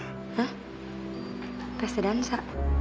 hah pesta dansa